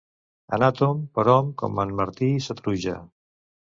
Anar tomb per hom com en Martí i sa truja.